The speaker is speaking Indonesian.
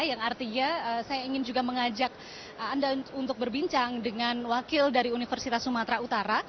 yang artinya saya ingin juga mengajak anda untuk berbincang dengan wakil dan pemerintah